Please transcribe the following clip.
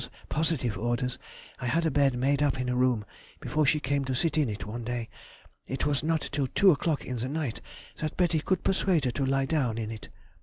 's positive orders, I had a bed made up in her room, before she came to sit in it one day, it was not till two o'clock in the night that Betty could persuade her to lie down in it.